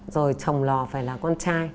rồi chồng lò phải là con trai